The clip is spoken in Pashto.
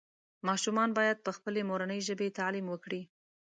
ماشومان باید پخپلې مورنۍ ژبې تعلیم وکړي